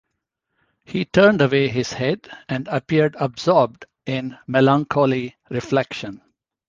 He turned away his head, and appeared absorbed in melancholy reflection.